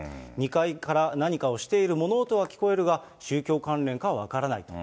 ２階から何かをしている物音は聞こえるが、宗教関連かは分からないと。